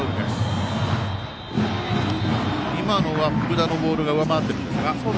今のは福田のボールが上回っているんですか？